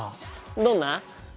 どんな？